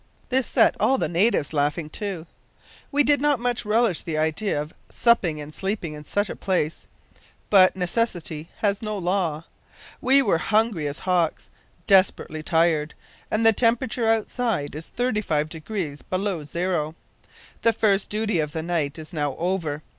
This set all the natives laughing, too. We did not much relish the idea of supping and sleeping in such a place but necessity has no law. We were hungry as hawks, desperately tired, and the temperature outside is 35 degrees below zero. The first duty of the night is now over.